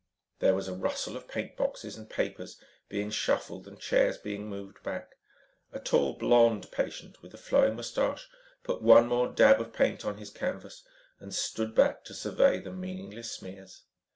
There was a rustle of paint boxes and papers being shuffled and chairs being moved back. A tall, blond patient with a flowing mustache, put one more dab of paint on his canvas and stood back to survey the meaningless smears.